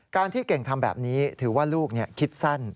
ที่เก่งทำแบบนี้ถือว่าลูกคิดสั้น